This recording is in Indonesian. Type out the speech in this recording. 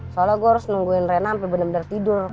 soalnya gue harus nungguin rena sampe bener bener tidur